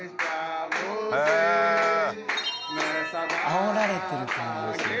あおられてる感じがする。